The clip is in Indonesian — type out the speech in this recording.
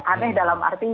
aneh dalam arti